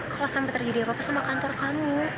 kalau sampai terjadi apa apa sama kantor kamu